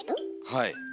はい。